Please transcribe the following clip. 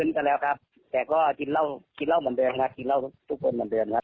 ขึ้นก็แล้วครับแต่ก็กินเล่าเหมือนเดิมครับกินเล่าทุกคนเหมือนเดิมครับ